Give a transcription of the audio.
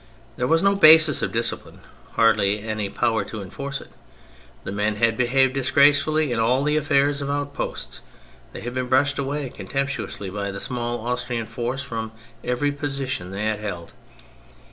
There was no basis of discipline, hardly any power to enforce it; the men had behaved disgracefully in all the affairs of outposts, they had been brushed away con temptuously by the small Austrian force from every position they had held.